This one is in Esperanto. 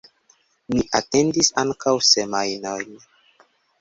Mi atendis ankaŭ semajnon.